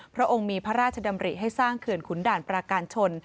พระองค์มีพระราชดำริให้สร้างเขื่อนขุนด่านปราการชน